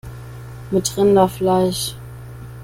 Mit Rinderfleisch!